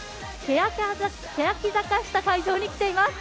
けやき坂下会場に来ています。